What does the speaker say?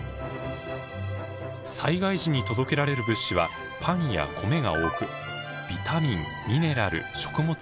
災害時に届けられる物資はパンや米が多くビタミンミネラル食物